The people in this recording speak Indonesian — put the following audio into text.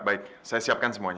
baik saya siapkan semuanya